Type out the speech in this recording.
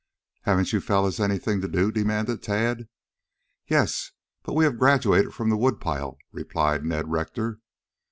"Haven't you fellows anything to do?" demanded Tad. "Yes, but we have graduated from the woodpile," replied Ned Rector.